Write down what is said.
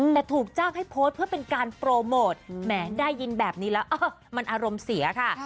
แต่ถูกจ้างให้โพสต์เพื่อเป็นการโปรโมทแหมได้ยินแบบนี้แล้วมันอารมณ์เสียค่ะ